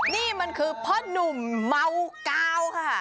นี่มันคือพ่อนุ่มเมากาวค่ะ